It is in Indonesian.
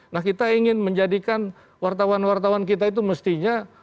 nah kita ingin menjadikan wartawan wartawan kita itu mestinya